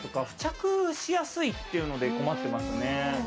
付着しやすいっていうので困ってますね。